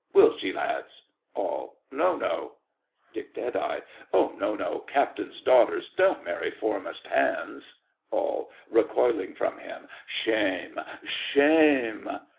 Will she, lads? ALL. No, no. DICK. No, no, captains' daughters don't marry foremast hands. ALL (recoiling from him). Shame! shame!